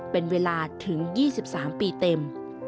เป็นเวลาถึง๒๓ปีเต็ม